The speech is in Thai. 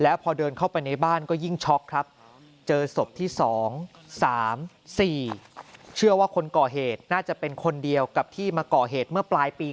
แล้วพอเดินเข้าไปในบ้านก็ยิ่งช็อกครับเจอศพที่๒๓๔เชื่อว่าคนก่อเหตุน่าจะเป็นคนเดียวกับที่มาก่อเหตุเมื่อปลายปี